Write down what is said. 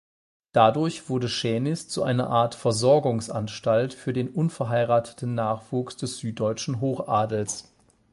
Dadurch wurde Schänis zu einer Art Versorgungsanstalt für den unverheirateten Nachwuchs des süddeutschen Hochadels.